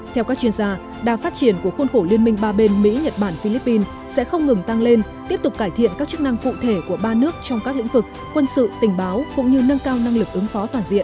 theo các chuyên gia đàm phát triển của khuôn khổ liên minh ba bên mỹ nhật bản philippines sẽ không ngừng tăng lên tiếp tục cải thiện các chức năng cụ thể của ba nước trong các lĩnh vực quân sự tình báo cũng như nâng cao năng lực ứng phó toàn diện